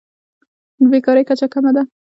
د بیکارۍ کچه کمه ده.